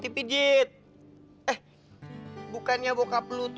tapi warp masuk ba filled